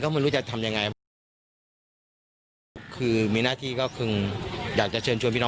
ไม่รู้จะทำยังไงเพราะว่าคือมีหน้าที่ก็คืออยากจะเชิญชวนพี่น้อง